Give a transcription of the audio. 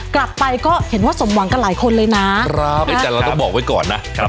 กลับไปก็เห็นว่าสมหวังกับหลายคนเลยนะครับแต่เราต้องบอกไว้ก่อนนะครับ